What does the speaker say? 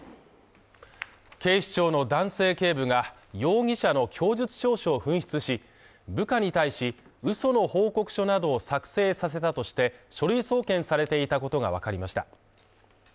警視庁の男性警部が容疑者の供述調書を紛失し部下に対しうその報告書などを作成させたとして書類送検されていたことがわかりました。